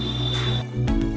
ini adalah kantor bupati